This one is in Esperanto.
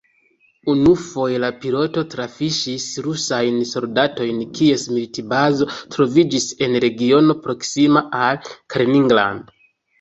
Unufoje la piloto trafis rusajn soldatojn, kies militbazo troviĝis en regiono proksima al Kaliningrad.